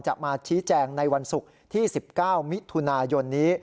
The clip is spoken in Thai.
จะมาชี้แจงในวันศุกร์ที่๑๙มิถุนายนนี้